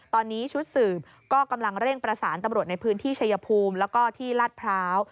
ตอนนี้ชุดสืบก็กำลังเร่งประสานตำรวจในพื้นที่ชายภูมิแล้วก็ที่ลาดพร้าว